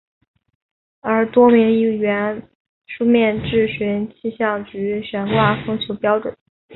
而多名议员书面质询气象局悬挂风球标准。